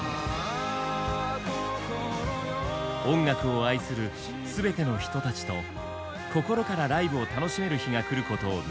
音楽を愛するすべての人たちと心からライブを楽しめる日がくることを願って。